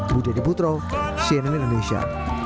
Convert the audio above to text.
budi adebutro cnn indonesia